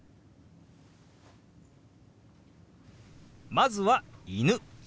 まずは「犬」。